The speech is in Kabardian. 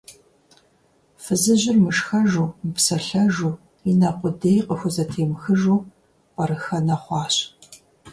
Фызыжьыр мышхэжу, мыпсэлъэжу, и нэ къудей къыхузэтемыхыжу пӀэрыхэнэ хъуащ.